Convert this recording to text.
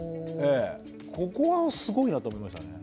ここはすごいなと思いましたね。